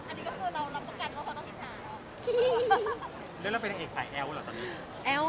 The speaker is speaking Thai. อันนี้ก็คือเรารับประกัน